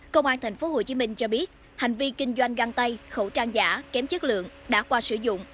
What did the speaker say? công an tp hcm cho biết hành vi kinh doanh găng tay khẩu trang giả kém chất lượng đã qua sử dụng